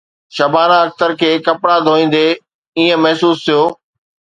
شبانه اختر کي ڪپڙا ڌوئيندي ائين محسوس ٿيو